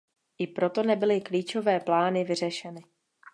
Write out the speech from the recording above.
I proto nebyly klíčové plány vyřešeny.